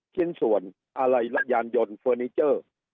ชิ้นส่วนอะไรยานยนต์เฟอร์นิเจอร์